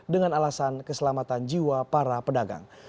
dengan alasan keselamatan jiwa para pedagang